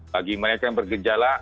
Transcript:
bagi mereka yang bergejala